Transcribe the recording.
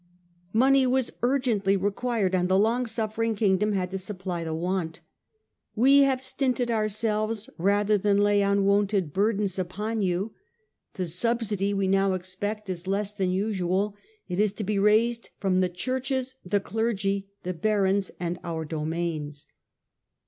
Money was urgently required and the long suffering Kingdom had to supply the want. " We have stinted ourselves rather than lay unwonted burdens upon you. 1 84 STUPOR MUNDI The subsidy we now expect is less than usual and it is to be raised from the Churches, the Clergy, the barons and our domains."